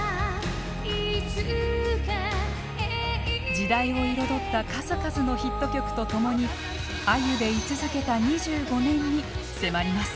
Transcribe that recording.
時代を彩った数々のヒット曲と共に「ａｙｕ」で居続けた２５年に迫ります。